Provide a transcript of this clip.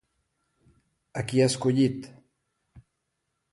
A qui ha escollit?